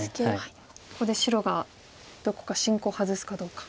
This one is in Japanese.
ここで白がどこか進行外すかどうか。